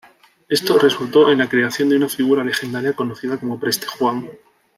Esto resultó en la creación de una figura legendaria conocida como Preste Juan.